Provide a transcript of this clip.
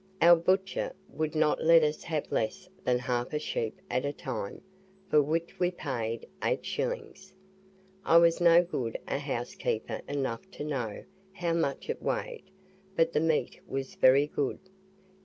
Our butcher would not let us have less than half a sheep at a time, for which we paid 8s. I was not good housekeeper enough to know how much it weighed, but the meat was very good.